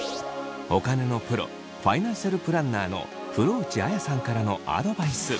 お金のプロファイナンシャルプランナーの風呂内亜矢さんからのアドバイス。